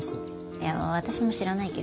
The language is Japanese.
いや私も知らないけど。